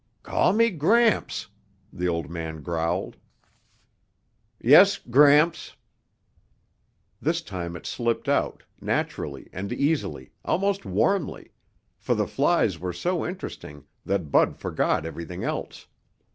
"Call me Gramps," the old man growled. "Yes, Gramps." This time it slipped out, naturally and easily, almost warmly, for the flies were so interesting that Bud forgot everything else.